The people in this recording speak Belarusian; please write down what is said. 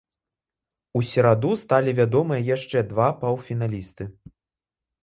У сераду сталі вядомыя яшчэ два паўфіналісты.